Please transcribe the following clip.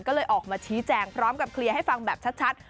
ก็เลยออกมาชี้แจงพร้อมกับเคลียร์ให้ฟังแบบชัด